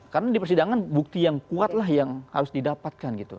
karena di persidangan bukti yang kuat lah yang harus didapatkan gitu